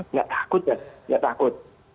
nggak takut mas nggak takut